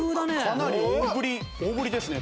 かなり大ぶり大ぶりですね